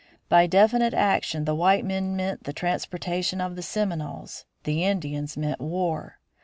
By definite action the white men meant the transportation of the Seminoles, the Indians meant war.